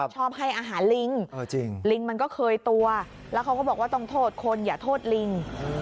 ชอบให้อาหารลิงลิงมันก็เคยตัวแล้วเขาก็บอกว่าต้องโทษคนอย่าโทษลิง